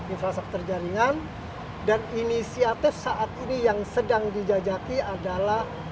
infrastruktur jaringan dan inisiatif saat ini yang sedang dijajaki adalah